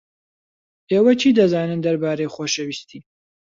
ئێوە چی دەزانن دەربارەی خۆشەویستی؟